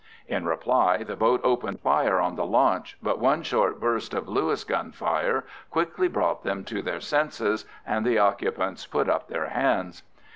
In reply the boat opened fire on the launch, but one short burst of Lewis gun fire quickly brought them to their senses, and the occupants put up their hands.